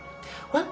あっ。